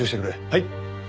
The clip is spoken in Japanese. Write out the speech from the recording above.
はい。